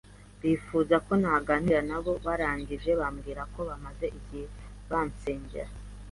bifuza ko naganira nabo barangije bambwira ko bamaze igihe bansengera